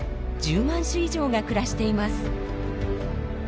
１０万種以上が暮らしています。